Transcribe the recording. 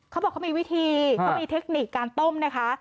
เขาบอกเขามีวิธีเขามีเทคนิคการต้มนะคะ